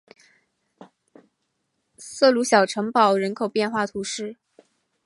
塞鲁小城堡人口变化图示